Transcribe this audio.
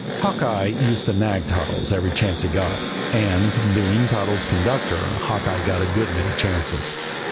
Hawkeye used to nag Toddles every chance he got, and, being Toddles' conductor, Hawkeye got a good many chances.